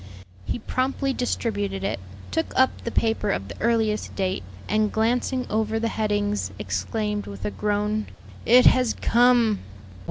He promptly distributed it, took up the paper of the earliest date, and glancing over the headings, exclaimed, with a groan, "It has come!"